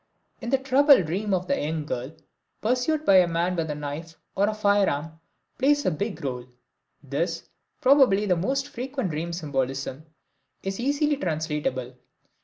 In the troubled dream of the young girl, pursuit by a man with a knife or a firearm plays a big role. This, probably the most frequent dream symbolism, is easily translatable.